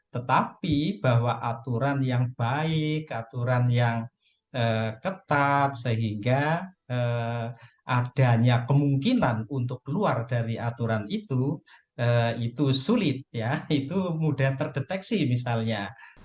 tetapi bahwa aturan yang baik aturan yang ketat sehingga adanya kemungkinan untuk keluar dari aturan itu itu sulit ya itu mudah terdeteksi misalnya